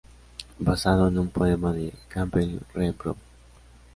Basado en un poema de Campbell Rae Brown.